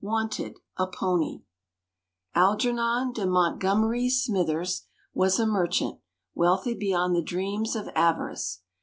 WANTED, A PONY Algernon de Montgomery Smythers was a merchant, wealthy beyond the dreams of avarice.